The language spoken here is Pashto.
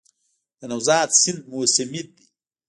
د نوزاد سیند موسمي دی